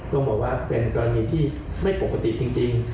ลุงบอกว่าเป็นกรณีที่ไม่ปกติจริง